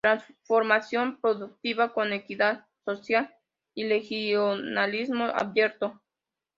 Transformación productiva con equidad social y regionalismo abierto.